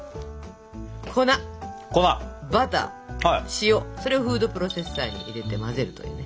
粉バター塩それをフードプロセッサーに入れて混ぜるというね。